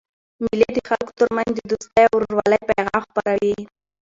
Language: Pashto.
مېلې د خلکو ترمنځ د دوستۍ او ورورولۍ پیغام خپروي.